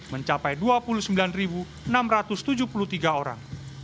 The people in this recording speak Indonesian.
mencapai dua puluh sembilan enam ratus tujuh puluh tiga orang